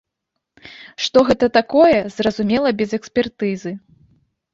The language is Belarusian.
Што гэта такое, зразумела без экспертызы.